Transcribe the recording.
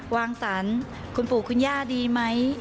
วางสรรคุณปู่คุณย่าดีไหม